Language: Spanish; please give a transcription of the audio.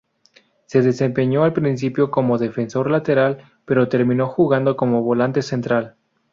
Se desempeñó, al principio, como defensor lateral pero terminó jugando como volante central.